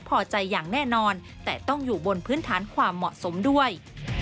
พอใจอย่างแน่นอนแต่ต้องอยู่บนพื้นฐานความเหมาะสมด้วย